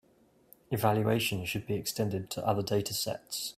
Evaluation should be extended to other datasets.